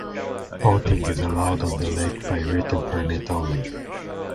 Boating is allowed on the lake by written permit only.